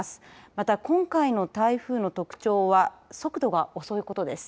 また今回の台風の特徴は速度が遅いことです。